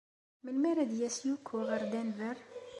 Melmi ara d-yas Yuko ɣer Denver?